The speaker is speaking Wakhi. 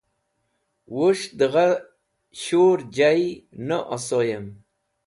Wũs̃h dẽ gha shur jay ne osoyẽm